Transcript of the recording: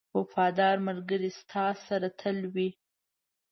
• وفادار ملګری ستا سره تل وي.